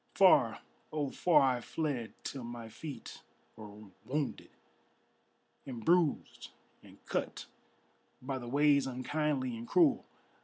Far, oh far I fled till my feet were wounded And bruised and cut by the ways unkindly and cruel.